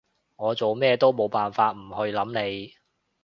我做咩嘢都冇辦法唔去諗你